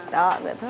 đó vậy thôi